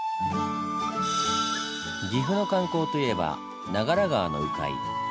岐阜の観光といえば長良川の鵜飼。